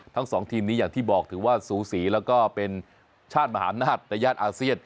ทั้งสองทีมนี้อย่างที่บอกถือว่าสูสีแล้วก็เป็นชาติมหาอำนาจในย่านอาเซียน